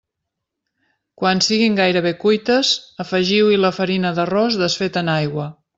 Quan siguin gairebé cuites, afegiu-hi la farina d'arròs desfeta en aigua.